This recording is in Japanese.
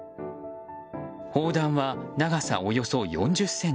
砲弾は、長さおよそ４０ｃｍ。